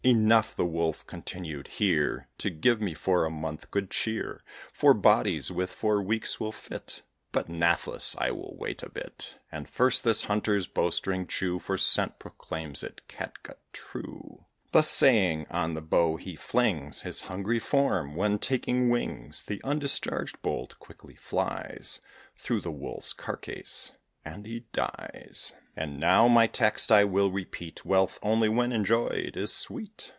"Enough," the Wolf continued, "here, To give me for a month good cheer. Four bodies with four weeks will fit, But, nathless, I will wait a bit, And first this Hunter's bowstring chew, For scent proclaims it catgut true." Thus saying, on the bow he flings His hungry form; when, taking wings, The undischarged bolt quickly flies Through the Wolf's carcase, and he dies. And now my text I will repeat Wealth, only when enjoyed, is sweet.